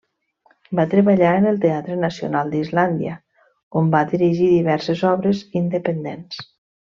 Va treballar en el Teatre Nacional d'Islàndia on va dirigir diverses obres independents.